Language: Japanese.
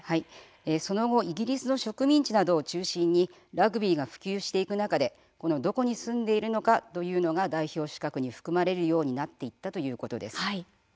その後、イギリスの植民地などを中心にラグビーが普及していく中でこの、どこに住んでいるのかというのが代表資格に含まれるようになっっていったということです。